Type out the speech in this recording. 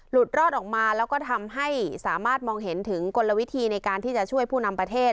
รอดออกมาแล้วก็ทำให้สามารถมองเห็นถึงกลวิธีในการที่จะช่วยผู้นำประเทศ